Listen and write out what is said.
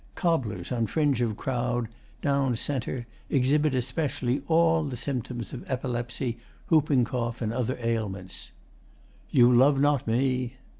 Cobblers on fringe of crowd, down c., exhibit especially all the symptoms of epilepsy, whooping cough, and other ailments.] You love not me.